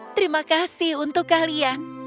terima kasih untuk kalian